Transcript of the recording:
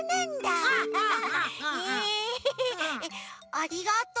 ありがとう。